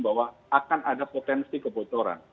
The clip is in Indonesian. bahwa akan ada potensi kebocoran